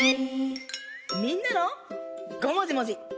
みんなのごもじもじ！